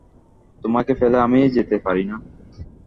তোমাকে ফেলে আমি যেতে পারি না।